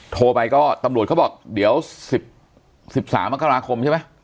โทรไปก็ตำรวจเขาบอกเดี๋ยว๑๓มกราคมใช่ไหม